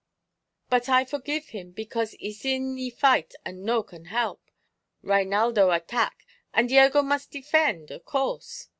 But I forgive him because ees in the fight and no can help. Reinaldo attack, and Diego mus' defend, of course.